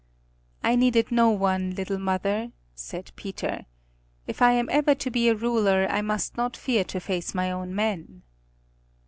"I needed no one, little mother," said Peter. "If I am ever to be a ruler I must not fear to face my own men."